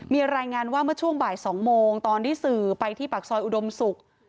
มีรายงานว่าเมื่อช่วงบ่าย๒โมงตอนที่สื่อไปที่ปากซอยอุดมศุกร์